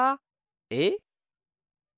えっ？